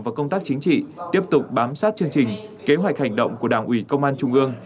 và công tác chính trị tiếp tục bám sát chương trình kế hoạch hành động của đảng ủy công an trung ương